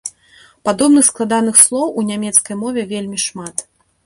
Падобных складаных слоў у нямецкай мове вельмі шмат.